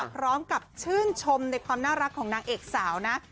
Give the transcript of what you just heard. พร้อมกับชื่นชมในความน่ารักของนางเอกสาวนะ